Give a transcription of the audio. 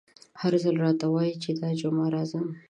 هر ځل راته وايي چې دا جمعه راځم….